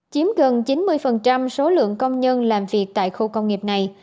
chiếm gần chín mươi số lượng công nhân làm việc tại khu công nghiệp này